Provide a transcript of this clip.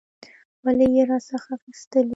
ولي یې راڅخه اخیستلې؟